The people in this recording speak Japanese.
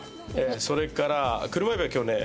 それから車エビは今日ね